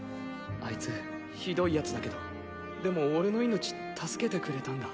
あいつひどいヤツだけどでも俺の命助けてくれたんだ。